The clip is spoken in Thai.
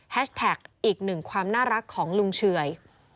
แท็กอีกหนึ่งความน่ารักของลุงเฉย